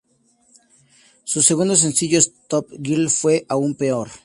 Su segundo sencillo, "Stop It Girl", fue aún peor.